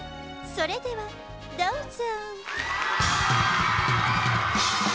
それではどうぞ。